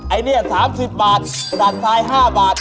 ไอ้เนี้ย๓๐บาทด่านซ้าย๕บาท